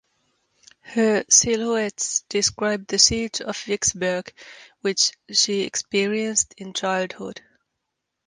Her "Silhouettes" describe the Siege of Vicksburg which she experienced in childhood.